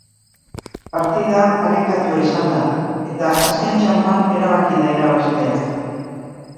Partida parekatua izan da, eta azken txanpan erabaki da irabazlea.